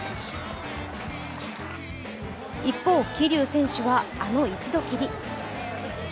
一方、桐生選手はあの一度きり。